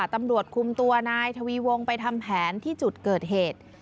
ตำรวจคุมตัวนายทวีวงไปทำแผนที่จุดเกิดเหตุ